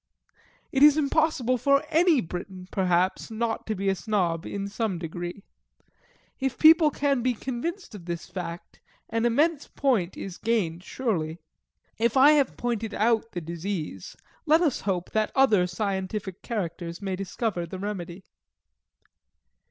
It is impossible for ANY Briton, perhaps, not to be a Snob in some degree. If people can be convinced of this fact, an immense point is gained, surely. If I have pointed out the disease, let us hope that other scientific characters may discover the remedy.